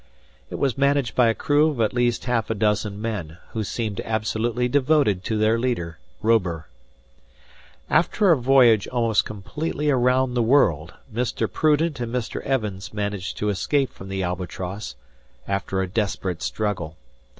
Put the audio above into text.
It was managed by a crew of at least half a dozen men, who seemed absolutely devoted to their leader, Robur. After a voyage almost completely around the world, Mr. Prudent and Mr. Evans managed to escape from the "Albatross" after a desperate struggle.